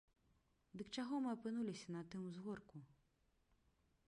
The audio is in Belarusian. Дык чаго мы апынуліся на тым узгорку?